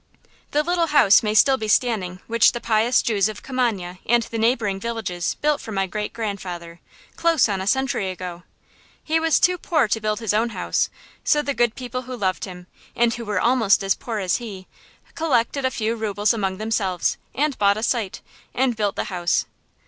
The little house may still be standing which the pious Jews of Kimanye and the neighboring villages built for my great grandfather, close on a century ago. He was too poor to build his own house, so the good people who loved him, and who were almost as poor as he, collected a few rubles among themselves, and bought a site, and built the house.